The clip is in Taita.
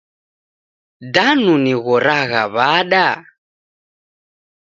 Danu nighoragha wada?